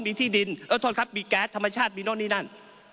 มีที่ดินเออโทษครับมีแก๊สธรรมชาติมีโน้นนี่นั่น